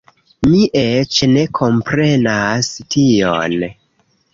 Mi eĉ ne komprenas tion